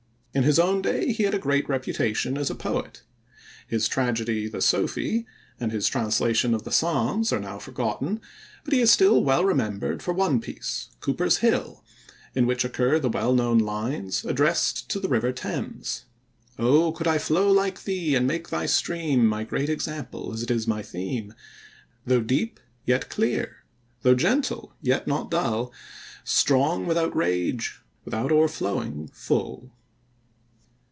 In his own day he had a great reputation as a poet. His tragedy, The Sophy, and his translation of the Psalms are now forgotten, but he is still remembered for one piece, Cooper's Hill, in which occur the well known lines addressed to the River Thames: O could I flow like thee, and make thy stream My great example, as it is my theme! Though deep, yet clear; though gentle, yet not dull; Strong, without rage; without o'erflowing, full.